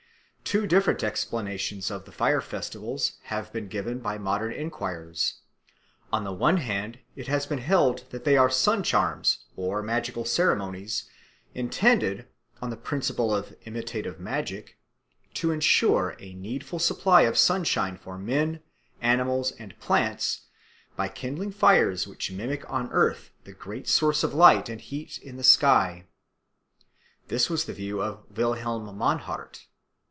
Two different explanations of the fire festivals have been given by modern enquirers. On the one hand it has been held that they are sun charms or magical ceremonies intended, on the principle of imitative magic, to ensure a needful supply of sunshine for men, animals, and plants by kindling fires which mimic on earth the great source of light and heat in the sky. This was the view of Wilhelm Mannhardt.